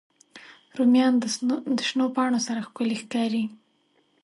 رومیان د شنو پاڼو سره ښکلي ښکاري